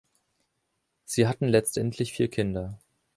Sie hatten letztendlich vier Kinder.